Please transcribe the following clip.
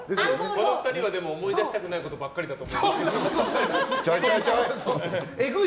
この２人は思い出したくないことばかりだとそんなことない！